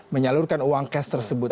menyalurkan uang cash tersebut